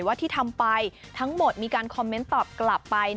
ว่าที่ทำไปทั้งหมดมีการคอมเมนต์ตอบกลับไป